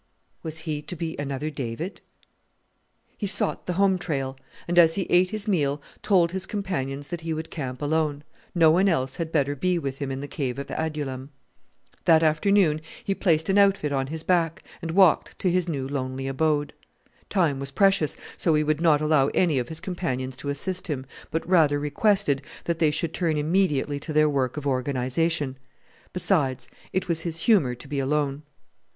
Was he to be another David? He sought the home trail; and as he ate his meal told his companions that he would camp alone; no one else had better be with him in the Cave of Adullam. That afternoon he placed an outfit on his back and walked to his new lonely abode. Time was precious, so he would not allow any of his companions to assist him, but rather requested that they should turn immediately to their work of organization. Besides, it was his humour to be alone.